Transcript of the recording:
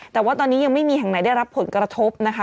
แต่ว่าตอนนี้ยังไม่มีแห่งไหนได้รับผลกระทบนะคะ